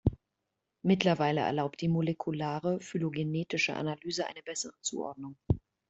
Mittlerweile erlaubt die molekulare phylogenetische Analyse eine bessere Zuordnung.